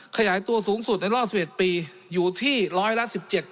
ขยายตัวสูงสุดในรอบ๑๑ปีอยู่ที่ร้อยละ๑๗